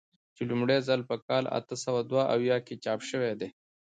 چې لومړی ځل په کال اته سوه دوه اویا کې چاپ شوی دی.